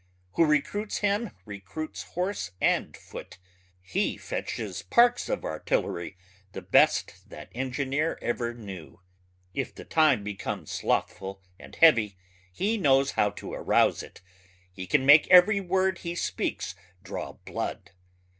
Who recruits him recruits horse and foot ... he fetches parks of artillery the best that engineer ever knew. If the time becomes slothful and heavy he knows how to arouse it ... he can make every word he speaks draw blood.